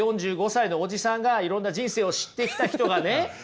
４５歳のおじさんがいろんな人生を知ってきた人がね